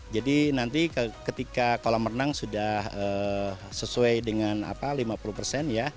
jadi nanti ketika kolam renang sudah sesuai dengan lima puluh persen